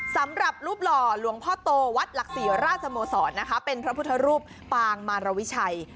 สำหรับรูปหล่อหลวงพ่อโตวัดหลักศรีราชสโมสรนะคะเป็นพระพุทธรูปปางมารวิชัย